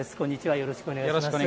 よろしくお願いします。